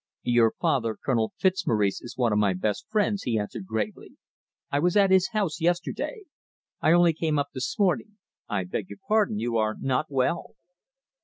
"Your father, Colonel Fitzmaurice, is one of my best friends," he answered gravely. "I was at his house yesterday. I only came up this morning. I beg your pardon! You are not well!"